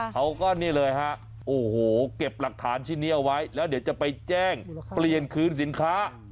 เขาก็นี่เลยฮะโอ้โหเก็บหลักฐานชิ้นนี้เอาไว้แล้วเดี๋ยวจะไปแจ้งเปลี่ยนคืนสินค้า